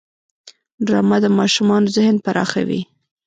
ډرامه د ماشومانو ذهن پراخوي